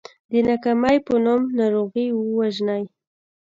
د ناکامۍ په نوم ناروغي ووژنئ .